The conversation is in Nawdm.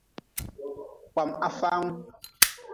Kpam hafaangu.